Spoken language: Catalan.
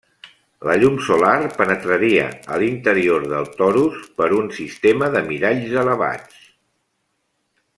La llum solar penetraria a l'interior del torus per un sistema de miralls elevats.